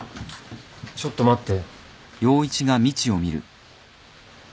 ちょっと待って。